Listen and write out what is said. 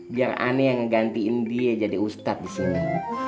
biar aneh yang ngegantiin dia jadi ustadz disini